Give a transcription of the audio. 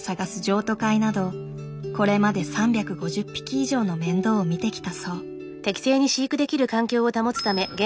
譲渡会などこれまで３５０匹以上の面倒を見てきたそう。